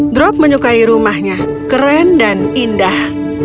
drop menyukai rumahnya keren dan indah